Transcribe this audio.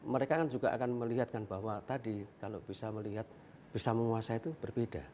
mereka kan juga akan melihatkan bahwa tadi kalau bisa melihat bisa menguasai itu berbeda